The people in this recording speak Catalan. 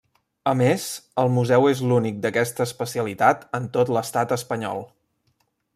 A més, el museu és l'únic d'aquesta especialitat en tot l'estat espanyol.